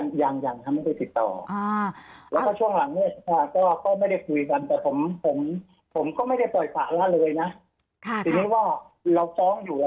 นั่งซูคยาพี่น้องเขาก็ไม่สร้าหรอครับผมไม่สร้าอ่า